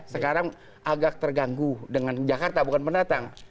sekarang agak terganggu dengan jakarta bukan pendatang